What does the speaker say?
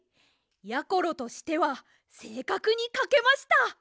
やころとしてはせいかくにかけました。